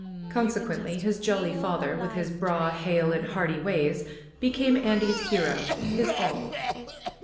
Consequently his jolly father, with his braw, hale and hearty ways, became Andy's hero, his all.